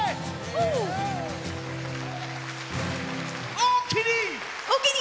おおきに！